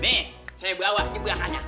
nih saya bawa di perangannya